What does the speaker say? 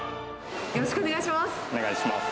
よろしくお願いします。